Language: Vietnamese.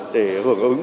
để hưởng ứng